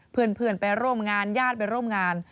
เพื่อนไปร่วมงานญาติไปร่วมงาน